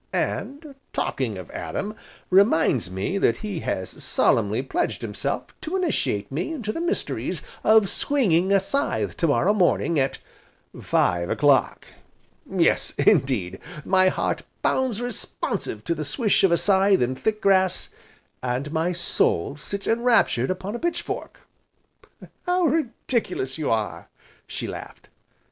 And, talking of Adam reminds me that he has solemnly pledged himself to initiate me into the mysteries of swinging a scythe to morrow morning at five o'clock! Yes indeed, my heart bounds responsive to the swish of a scythe in thick grass, and my soul sits enraptured upon a pitch fork." "How ridiculous you are!" she laughed.